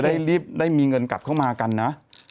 ได้รีบมีเงินกลับเข้ามากันนะ